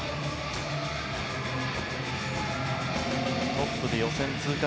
トップで予選通過。